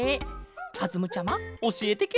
かずむちゃまおしえてケロ！